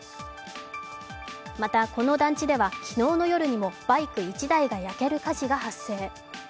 また、この団地では昨日の夜にもバイク１台が焼ける火事が発生。